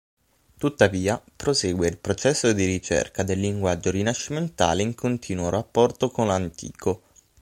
Tuttavia prosegue il processo di ricerca del linguaggio rinascimentale in continuo rapporto con l'antico.